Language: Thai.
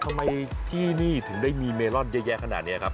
ทำไมที่นี่ถึงได้มีเมลอนเยอะแยะขนาดนี้ครับ